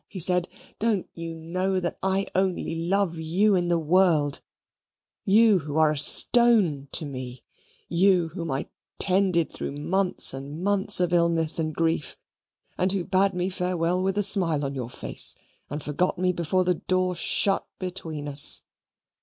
he said, "don't you know that I only love you in the world you, who are a stone to me you, whom I tended through months and months of illness and grief, and who bade me farewell with a smile on your face, and forgot me before the door shut between us!"